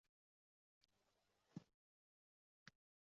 Ona uning muddaosini tushunib turardi